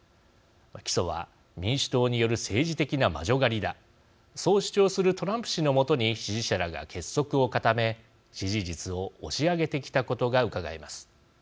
起訴は、民主党による政治的な魔女狩りだそう主張するトランプ氏の下に支持者らが結束を固め支持率を押し上げてきたことがうかがえます。